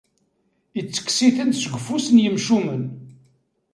Ittekkes-iten-id seg ufus n yimcumen.